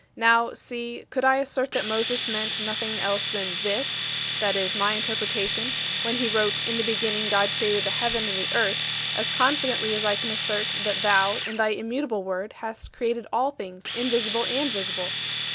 Now, see, could I assert that Moses meant nothing else than this [i.e., my interpretation] when he wrote, "In the beginning God created the heaven and the earth," as confidently as I can assert that thou in thy immutable Word hast created all things, invisible and visible?